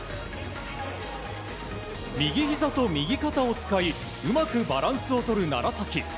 右ひざと右肩を使いうまくバランスをとる楢崎。